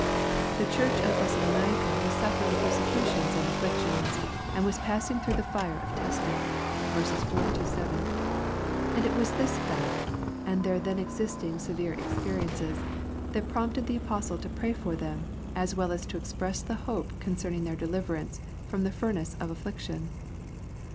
The Church of Thessalonica was suffering persecutions and afflictions, and was passing through the fire of testing (vers. 4 7) ; and it was this fact — their then existing severe experiences — that prompted the Apostle to pray for them, as well as to express the hope concerning their deliverance from the furnace of affliction.